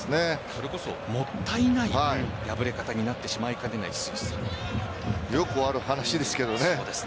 それこそ、もったいない敗れ方になってしまいかねないよくある話ですけどね。